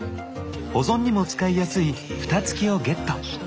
保存にも使いやすいフタつきをゲット。